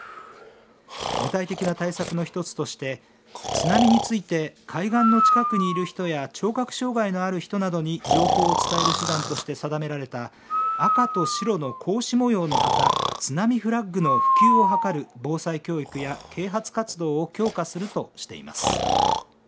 具体的な対策の１つとして津波について海岸の近くにいる人や聴覚障害のある人などに情報を伝える手段として定められた赤と白の格子模様の旗津波フラッグの普及を図る防災教育や啓発活動を強化するとしています。